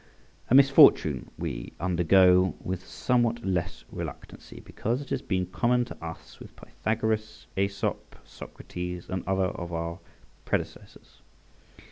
A misfortune we undergo with somewhat less reluctancy, because it has been common to us with Pythagoras, Æsop, Socrates, and other of our predecessors.